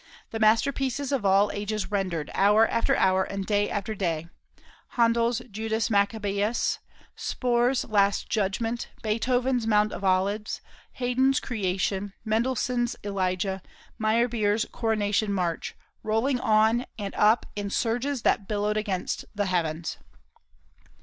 The masterpieces of all ages rendered, hour after hour, and day after day Handel's "Judas Maccabæus," Spohr's "Last Judgment," Beethoven's "Mount of Olives," Haydn's "Creation," Mendelssohn's "Elijah," Meyerbeer's "Coronation March," rolling on and up in surges that billowed against the heavens!